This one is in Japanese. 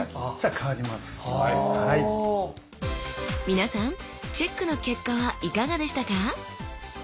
皆さんチェックの結果はいかがでしたか？